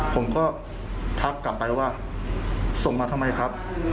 ผมก็ทักกลับไปว่าส่งมาทำไมครับ